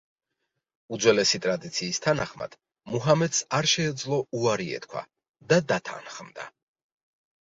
უძველესი ტრადიციის თანახმად, მუჰამედს არ შეეძლო უარი ეთქვა და დათანხმდა.